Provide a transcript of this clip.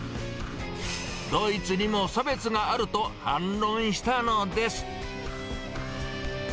ドイツにも差別があると反論したのです。